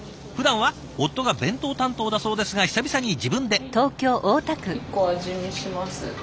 ふだんは夫が弁当担当だそうですが久々に自分で！